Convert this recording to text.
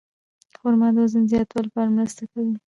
خرما د وزن زیاتولو لپاره مرسته کوي.